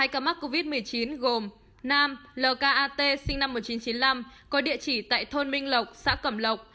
hai ca mắc covid một mươi chín gồm nam lk sinh năm một nghìn chín trăm chín mươi năm có địa chỉ tại thôn minh lộc xã cẩm lộc